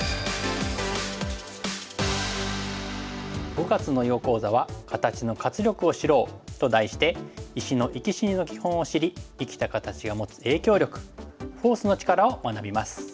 ５月の囲碁講座は「形の活力を知ろう」と題して石の生き死にの基本を知り生きた形が持つ影響力フォースの力を学びます。